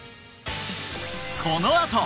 このあと！